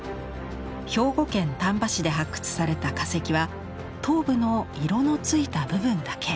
兵庫県丹波市で発掘された化石は頭部の色のついた部分だけ。